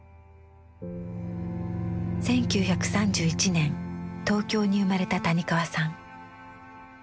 １９３１年東京に生まれた谷川さん。